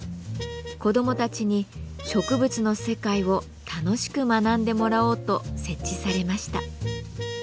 子どもたちに植物の世界を楽しく学んでもらおうと設置されました。